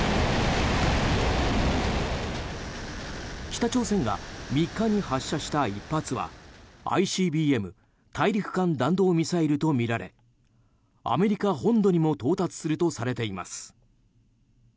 北朝鮮が３日発射した１発はＩＣＢＭ・大陸間弾道ミサイルとみられアメリカ本土にも到達するとされています。